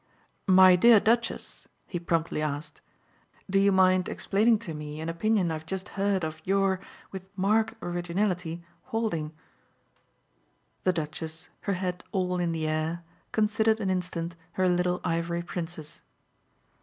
"My dear Duchess," he promptly asked, "do you mind explaining to me an opinion I've just heard of your with marked originality holding?" The Duchess, her head all in the air, considered an instant her little ivory princess.